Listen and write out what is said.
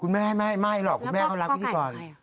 ไม่ไม่หรอกแม่ข้ารักพิธีกร